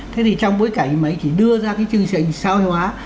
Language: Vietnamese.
thế thì trong bối cảnh mà anh chỉ đưa ra cái chương trình sòi hóa